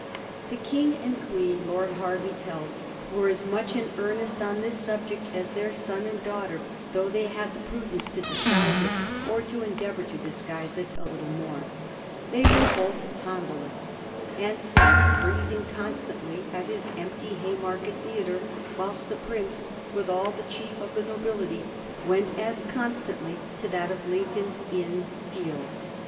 The King and Queen, Lord Hervey tells, were as much in earnest on this sub ject as their son and daughter, though they had the pru dence to disguise it, or to endeavor to disguise it, a little more. They were both Handelists, ^'and sat freezing •onsta^tly at his empty Haymarket opera, whilst the prince, with all the chief of the nobility, went as con* Btantly to that of Lincoln's Inn Fields."